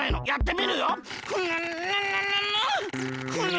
やってみるよ！